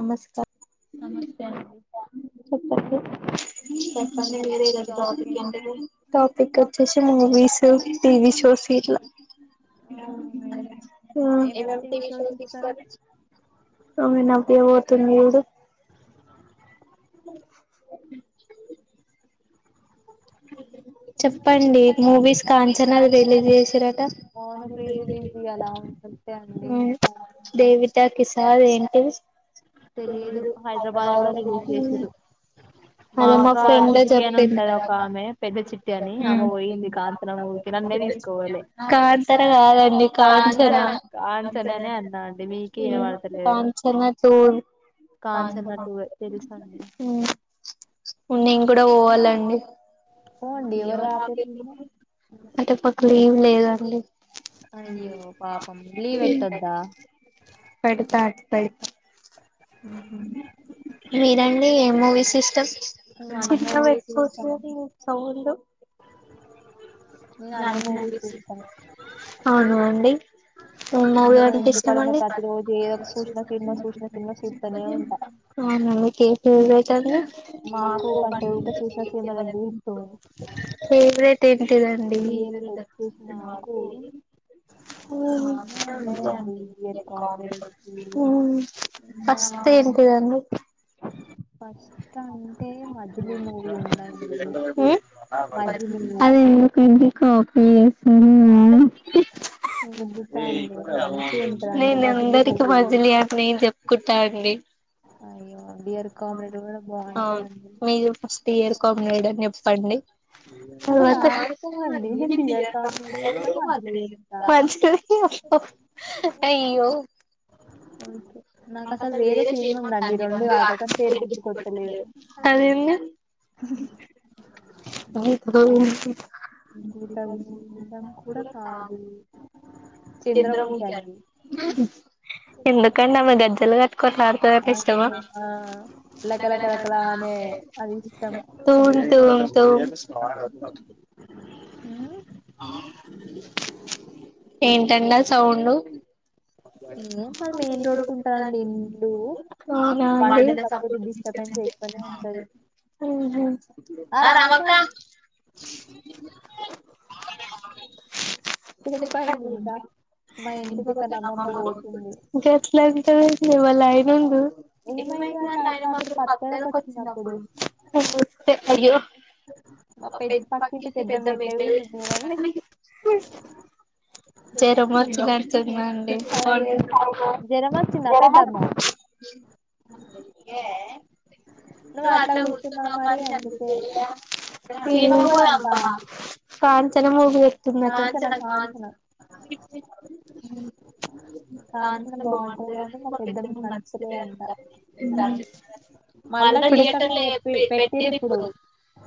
నమస్కారం [unintelligible] చెప్పండి [unintelligible] టాపిక్ వచ్చేసి మూవీస్ టీవి షోస్ సీట్లా [inaudible] మ్ [unintelligible] అమె నవ్వి బోటుండి చుడ్ చెప్పండి మూవీస్ కాంచనాది రిలీజ్ చేసిర అవును ఫ్రీజ్ ఫజ్ చేయాల కత్య మ్ దేవితా కిసాద్ ఏంటి పరు హైదబ [unintelligible] మ్ అని మా ఫ్రెండు చెపిన్ధి మ్ కాంతర కాదండి కాంచనా మ్ కాంచన కాంచన ట్టు తెలుస అండి నేం కూడా పోవాలండి అంటే పక్కల ఎమ్ లేదండి మ్ పెడతరు పె మీరండి ఏ మూవీస్ [unintelligible] సౌండు అవును అండి నావి అంటిపిస్టాండి అ నకే చెస్టరాండి మాకు ప పెవరైట్ టాండి ఈ [unintelligible] మ్ మ్ బస్ తేనే కిలాను బస్ అంటే మజ్లి మూవి వుండండి మజిలి ఎంది కాక్ [inaudible] నేను అందరికి మజలి అంట నేను చెప్పుకుంటా అండి అవును మీరు ఫస్ట్ ఏరుకోమ ఇడ జేప్పండి అ పంచ్ కల్ కి వస్తవ్ అయ్యో మా కసల్ వేరే చెయ్యమంటాంది రెండ గదా చెడు దిష్టి కొడత లేరు అదేంది చింద్రముఖి అన్ ఎందుకంటే ఆమె గజ్జెలు క కొట్లలాడతానికి ఇష్టమా తూ తొమ్ తొమ్ ఏంటండి ఆ సౌండ్ ఏమ్ మరి మెయిన్ రోడ్ కు ఉంటాదండి ఇళ్ళు బండి మీద తపోదు డిస్ట్రబ్ న్ చేస్తానే ఉంటది హ్మ్ హు ఆ రామక్క గట్ల అంటద ఇ వాళ్ళ ఆయన ఉన్న ఏమైతాంది ఆయన మాకు మధ్యలోకి వచ్చింది అప్పుడు టే అయ్యో మ పెక్కింటి పెద్దమ ఎత్ నడు జరం వచ్చినట్టు ఉందండి అయ్యో జ్వర మోచ్చిందా పెద్దమ్మా ఏ అ హ్మ్ కాదు చనా మూవీ వచ్చిందా కాంచన కాంచన కాంచన బాగుంటది కద అండి మా పెద్దమ్మ కి నచ్చుతలే అంట మళ్ళా థియేటర్ లో ఎప్పి పెట్టిరి ఇప్పుడు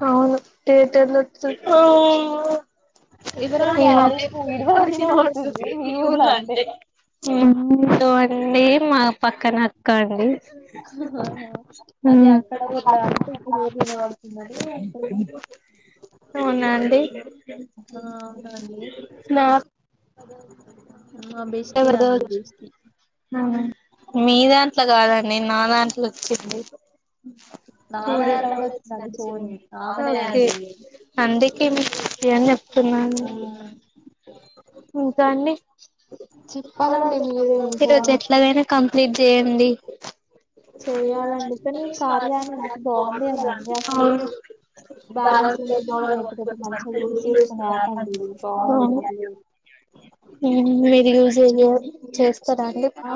అవును థియటర్ లో ఆ....... ఏంటి వానికి ఇనబడతది మీ ఊర్లో అంటే చూడండి మా పక్కన క్క అండి హ్మ్ అంట నా అవునా అండి నా మా బెస్టీ అండి బెస్టీ అవునా మీ దాంట్లో కాదండి నా దాంట్లో వచ్చింది ఒకే అందుకె ఎన తిన్నగా స ఇంకా అండి ఈ రోజు ఎట్లాగైనా కంప్లీట్ జేయండి అవును దా కొ మన్నా [inaudible] చేస్తారా అండి అ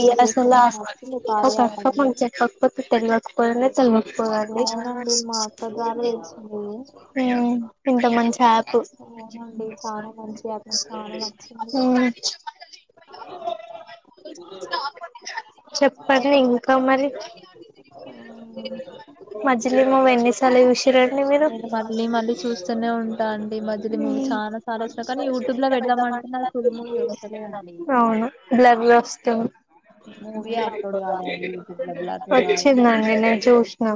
ఈయల అస్సల అప్పకు తెల్వకపోయిన చెల్వమ్ హ్మ్ ఇంత మంచి ఆపు హ్మ్ చెప్పలే ఇంకా కా మరి అ మజిలీ మూవీ ఎన్ని సార్లు చుసిరండి మీరు [unintelligible] అవును బ్లర్ వస్ వచ్చిందండి నిను చూస్నా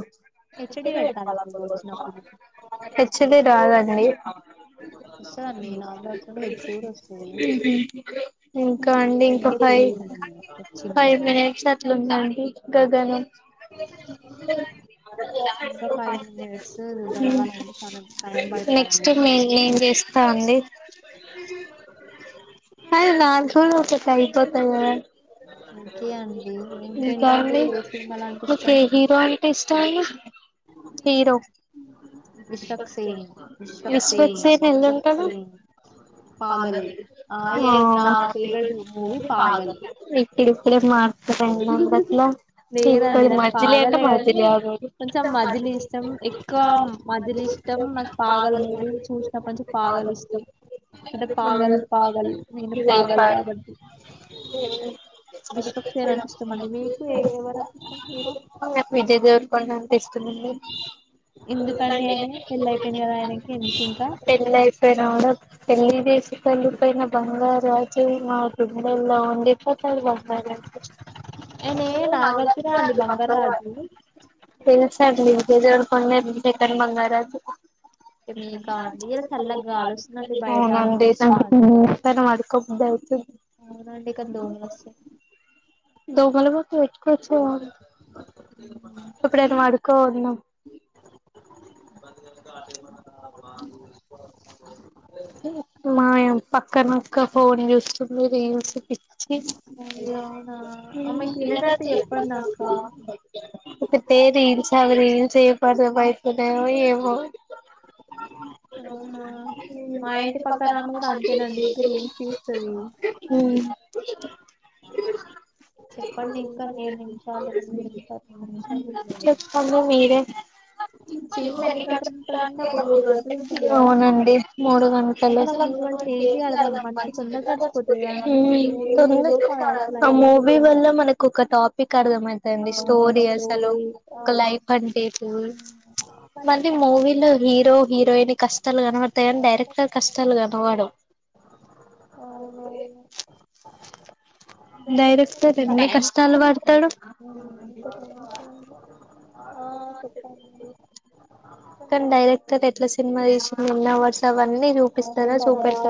హెచ్ డి రాదండి అ ఇంకా అండి ఇంకా ఫైవ్ ఫైవ్ మినిట్స్ అట్లుందండి గగనం నెక్స్ట్ మేం చేస్ స్తా అండి కద్ నాది కూడ ఒకటైతది కదా ఇంతె అండి ఇంకేంటం మీకే హీరో అంటే ఇష్టం హీరో విశ్వక్ సేన్ విశ్వక్ సేన్ విశ్వక్ సేన్ ఆ ఆ ఇప్పుడిప్పుడే మాట్ ఎట్లా ఏమైందట్ల ఇప్పటి మజిలీఅంటే మజిలీ అనేది ఆ మజిలీ ఇష్టం పాగల్ మూవీ పాగల్ [unintelligible] పాగల్ పాగల్ [unintelligible] పాగల్ హుమ్మ్ అ ఇష్టంమండి మీకు ఏ ఎవరు అంటే ఇష్టం హీరో నాకు విజయ్ దేవరకొండ అంటే ఇష్టమండి ఎందుకాన్ పెళ్ళి అయిపోయింది కదా ఆయనకి ఎందుకు ఇంకా పెళ్లి చేసుకోని వెళ్లిపోయిన బంగారు రాజు మా గుండేల్లో ఉండి పోతావ్ బంగార్రాజు [unintelligible] తెలుసండి విజయ్ దేవరకొండ ఈ తరం బంగారు రాజు అవునండి చల్లటి గాలి వస్తే పడుకో బుద్ధి అయితుం అవునండి కాని దోమలు వస్తాయి దోమల మత్తు తెచ్చుకోవచ్చు కదా ఎప్పుడన్న పడుకొ అందం [inaudible] ఇంకా ఫోన్ చూస్తుంది రీల్స్ వినేటట్టు చెప్పంద అక్క ఒకట్టే రీల్స్ అవి రీల్స్ ఏం అర్థం అవుతదో ఏమో అ ఇంటి పక్కనమే మా చేల్లే [unintelligible] హు ప [unintelligible] కే చెప్పండి మీరే సినిమా ఎన్ని గంటలు అవునండి మూడు గంటలు హు మూవీ వల్ల మనకు ఒక టాపిక్ అర్థ అదండీ స్టోరీ అసలు ఒక లైఫ్ అంటే చు మళ్లీ మూవీ హీరో హీరోయిన్ కష్టాలు కనబడతాయి కానీ డైరెక్టర్ కష్టాలు కనబడవు నండి డైరెక్టర్ ఎన్ని కష్టాలు పడతాడు కాన్ డైరెక్టర్ ఎట్ల సినిమా నాకిష్టం నువ్వు వస్తావని అన్ని చూపిస్తనే చూపిస్తే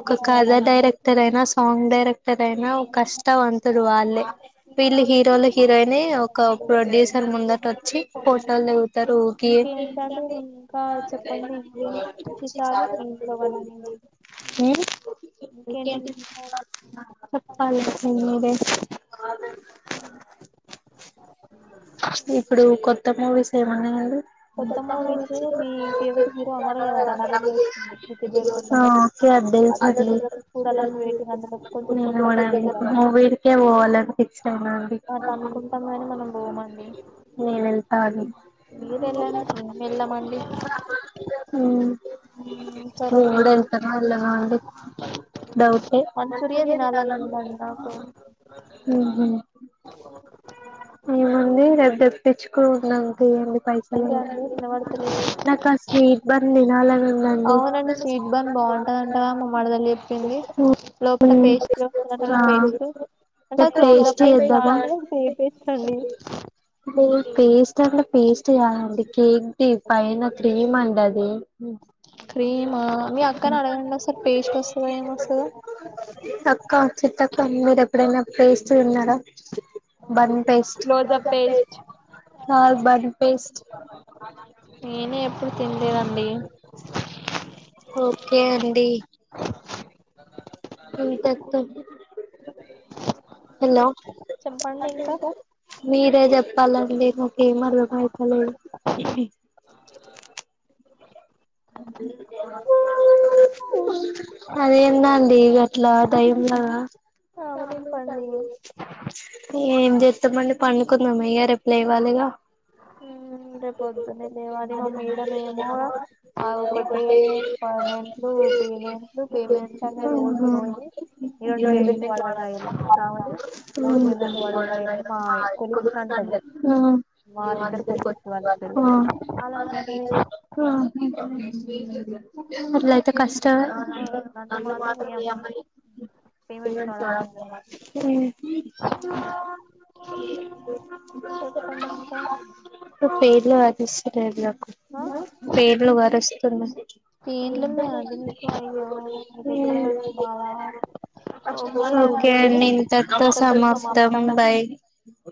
ఒక కథ డైరెక్టర్ డైరెక్టరైయిన సాంగ్ డైరెక్టర్ అయినా కష్టవంతుడు వాళ్ళే వీళ్ళు హీరోలు హీరోయిన్ అని ఒక ప్రొడ్యూసర్ ముందట వచ్చి ఫోటోల్ దిగ్ స్తరు [unintelligible] మ్ ఇంకేంటి విశేషాలు వాల్ల కిందే ఇప్పుడు కొత్త మూవీస్ ఏమున్నాయండి [inaudible] ఆ [unintelligible] నేను కూడా మూవీ కె పోవాలె అట్ట అనుకుంటాము గాని మనం బోమండి అని మీరు వెళ్ళండి మేమ్ వెళ్ళమండి ఉమ్ మూడు ఎంత నల్లగా అండి డౌటె ఊహు ఏముంది రేప్ దెప్పించుకు ఉన్నా ఏమి పై నాక స్పీట్ బన్ తినాలుంది అవునండి స్వీట్ బండ్ బాగుంటదింటగా మా మరదలు చెప్పింది లోపట పేస్ట్ వస్తున్న పేస్ట్ అంటే క్లోజప్ పేస్ట్ లాంటిద ఎ పేస్ట్ రండి పేస్ట్ అంటే పేస్ట్ కాదండి కేక్ ది పైన క్రీమ్ అండి అది క్రీమ మీ అక్కని అడగండి ఒక్సర్ పేస్ట్ వస్తుంది ఏం వస్తు తక్క చిట్టక్క మీరు ఎప్పుడైనా పేస్ట్ తిన్నార బన్ పేస్ట్ కాద్ బన్ పేస్ట్ నేను ఎప్పుడు తినలేదండి అంతెత్తు హెలో చెప్పండి ఇంక మీరే చెప్పాలండి మాకేం అర్థం అవుతలే అ అదేం దండి గట్ల దయ్యం గదా ఏం చెత్తామండి పండుకుందాం అయ్యా రిప్లై ఇవ్వాలిగా ఉమ్ రే పొద్దున లేవాలి మమ్మీ ఇద మేము ఆ ఒకటే పమెంట్లు పేమెంట్లు పేమెంట్ అనె రోల్ లోయి ఉమ్ అ వ [unintelligible] అట్లయితే కష్టమే ఊ [unintelligible] పేర్లు అది ఇస్తర్లే నాకు పేర్లు వారుస్తున్నాయ్ [inaudible] మ్ ఓకే అండి ఇంత ట్తో సమాప్తం బై